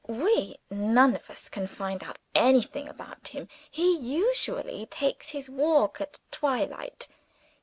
"We none of us can find out anything about him. He usually takes his walk at twilight.